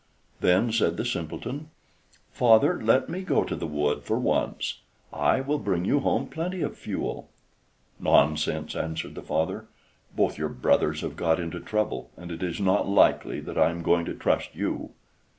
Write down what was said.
Then said the Simpleton: "Father, let me go to the wood for once. I will bring you home plenty of fuel." "Nonsense," answered the father. "Both your brothers have got into trouble, and it is not likely that I am going to trust you."